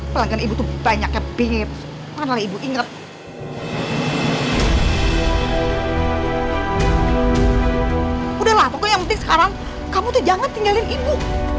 perangkat itu banyak kebetulannya ibu inget udah lah pokoknya sekarang kamu jangan tinggalin ibu